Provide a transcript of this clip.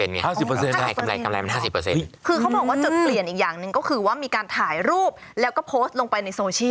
คือเขาบอกว่าจุดเปลี่ยนอีกอย่างหนึ่งก็คือว่ามีการถ่ายรูปแล้วก็โพสต์ลงไปในโซเชียล